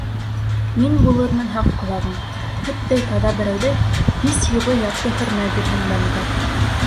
Мин булырмын һаҡ ҡолағың, Һөттәй таҙа берәүҙе Һис юғы ярты хөрмә бирһен бәндә.